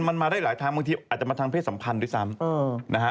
มันมาได้หลายทางบางทีอาจจะมาทางเพศสัมพันธ์ด้วยซ้ำนะฮะ